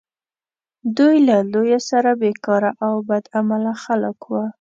دوی له لویه سره بیکاره او بد عمله خلک وه.